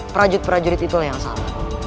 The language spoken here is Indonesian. prajud prajud itulah yang salah